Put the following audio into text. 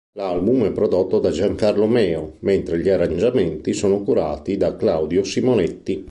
L'album è prodotto da Giancarlo Meo, mentre gli arrangiamenti sono curati da Claudio Simonetti.